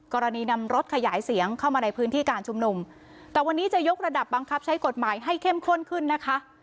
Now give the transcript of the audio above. กรณีนำรถขยายเสียงเข้ามาในพื้นที่การชุมนุมแต่วันนี้จะยกระดับบังคับใช้กฎหมายให้เข้มข้นขึ้นนะคะ